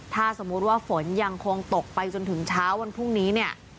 ถ้าสมมุติว่าฝนยังคงตกไปจนถึงเช้าวันพรุ่งนี้เนี่ย